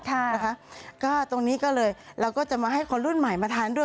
ค่ะนะคะก็ตรงนี้ก็เลยเราก็จะมาให้คนรุ่นใหม่มาทานด้วย